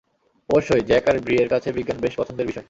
অবশ্যই, জ্যাক আর ব্রি এর কাছে বিজ্ঞান বেশ পছন্দের বিষয়।